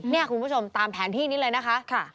นี่คุณผู้ชมตามแผนที่นี้เลยนะคะ